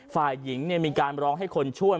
ฝ่ายหญิงมีการร้องให้คนช่วย